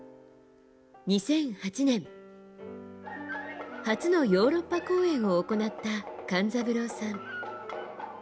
２００８年初のヨーロッパ公演を行った勘三郎さん。